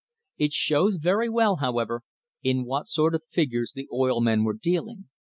It shows very well, however, in what sort of figures the oil men were dealing.